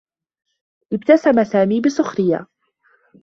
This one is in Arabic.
أبتسم سامي بسخريّة.